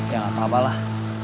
ya gak apa apalah